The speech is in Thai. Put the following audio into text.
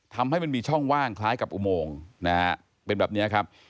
ทำให้มันมีช่องว่างคล้ายกับอุโมงนะฮะเป็นแบบนี้ครับ